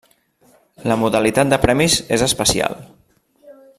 La modalitat de premis és especial.